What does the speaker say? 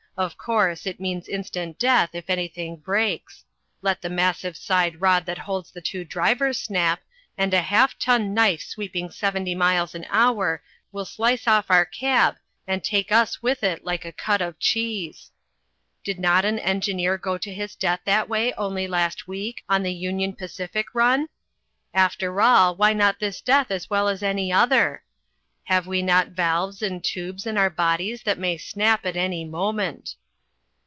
Of course it means instant death if anything breaks. Let the massive side rod that holds the two drivers snap, and a half ton knife sweeping seventy miles an hour will slice off our cab and us with it like a cut of cheese. Did not an engineer go to his death that way only last week on the Union Pacific run? After all, why not this death as well as any other? Have we not valves and tubes in our bodies that may snap at any moment!